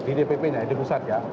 di dpp nya di pusat ya